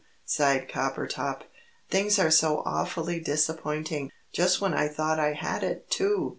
sighed Coppertop. "Things are so awfully disappointing just when I thought I had it, too!